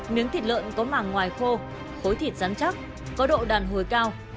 miếng thịt lợn có màng ngoài khô khối thịt rắn chắc có độ đàn hồi cao